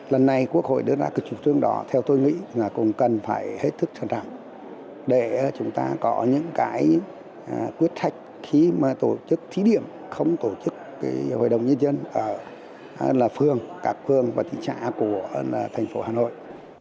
lần này quốc hội đưa ra cực trục thương đó theo tôi nghĩ là cũng cần phải hết thức sẵn sàng để chúng ta có những quyết thách khi mà tổ chức thí điểm không tổ chức hội đồng nhân dân ở các phương và thị trạng của thành phố hà nội